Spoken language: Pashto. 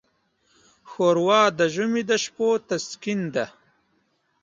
ښوروا د ژمي د شپو تسکین ده.